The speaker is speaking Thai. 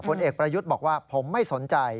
ผลเอกประยุทธ์บอกว่าผมไม่สนใจ